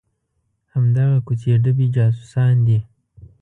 همدغه کوڅې ډبي جاسوسان دي.